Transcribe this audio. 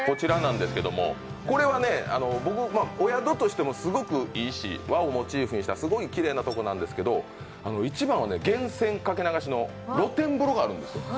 これはお宿としてもすごくいいし、和をモチーフにしたすごいきれいなところなんですけど、一番は源泉掛け流しの露天風呂があるんです。